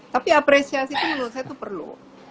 tapi apresiasi itu menurut saya itu perlu